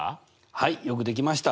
はいよくできました。